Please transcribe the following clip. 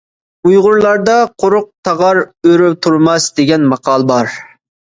ئۇيغۇرلاردا «قۇرۇق تاغار ئۆرە تۇرماس» دېگەن ماقال بار.